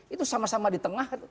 itu sama sama di tengah